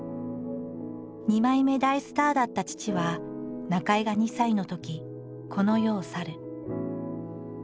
二枚目大スターだった父は中井が２歳のときこの世を去る。